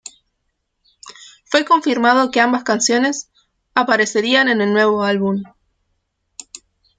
Fue confirmado que ambas canciones aparecerían en el nuevo álbum.